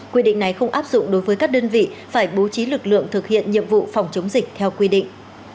quy định này không áp dụng đối với các đơn vị phải bố trí lực lượng thực hiện nhiệm vụ phòng chống dịch theo quy định